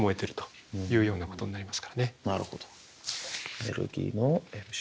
エネルギーのｍｃ。